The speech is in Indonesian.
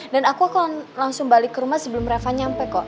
dan aku akan langsung balik ke rumah sebelum reva nyampe kok